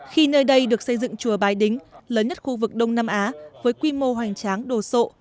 khi nơi đây được xây dựng chùa bái đính lớn nhất khu vực đông nam á với quy mô hoành tráng đồ sộ